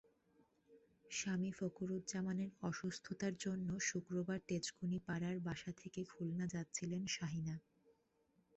স্বামী ফকরুজ্জামানের অসুস্থতার জন্য শুক্রবার তেজকুনিপাড়ার বাসা থেকে খুলনা যাচ্ছিলেন শাহিনা।